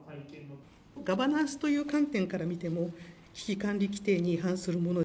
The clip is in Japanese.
ガバナンスという観点から見ても、危機管理規定に違反するもの。